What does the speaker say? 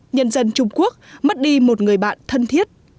nhân dân trung quốc mất đi một người bạn thân thiết